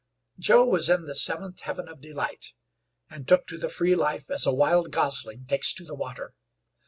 Joe was in the seventh heaven of delight, and took to the free life as a wild gosling takes to the water.